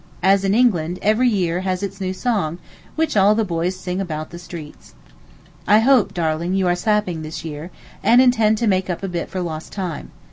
As in England, every year has its new song, which all the boys sing about the streets. I hope, darling, you are sapping this year, and intend to make up a bit for lost time.